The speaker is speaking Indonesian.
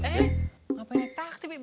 eh ngapain taksi pi